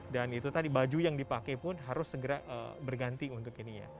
dan itu tadi baju yang dipakai pun harus segera berganti untuk ini ya